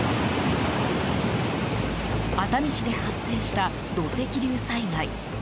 熱海市で発生した土石流災害。